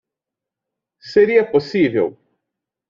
Seria possível?